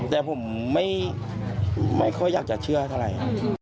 แต่ผมไม่ค่อยอยากจะเชื่อเท่าไหร่